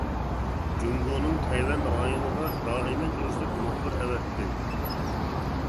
جۇڭگونىڭ تەيۋەن رايونىغا دائىمىي تۇرۇشلۇق مۇخبىر ئەۋەتتى.